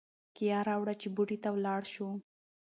کیه راوړه چې بوټي ته ولاړ شو.